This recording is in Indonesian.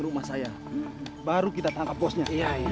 sampai jumpa di video selanjutnya